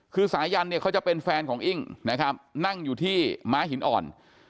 คือสายันเขาจะเป็นแฟนของอิ้งนั่งอยู่ที่ม้าหินอ่อน